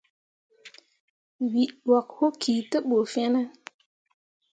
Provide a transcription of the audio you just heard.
Wǝ ɗwak wo ki te ɓu fine ?